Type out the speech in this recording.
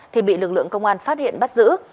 thì bị lực lượng công an phát hiện bắt giữ